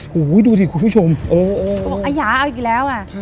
โหดูดิคุณผู้ชมโอ้อัยยะเอาอีกแล้ว